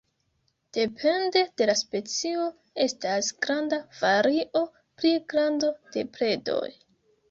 Depende de la specio estas granda vario pri grando de predoj.